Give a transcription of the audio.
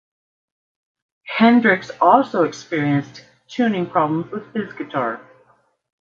Hendrix also experienced tuning problems with his guitar.